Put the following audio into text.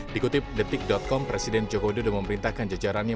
dikutip detik com presiden joko widodo memerintahkan jajarannya